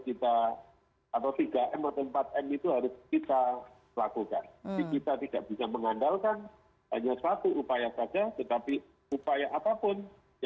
tetapi upaya apapun yang bisa kita laksanakan harus kita laksanakan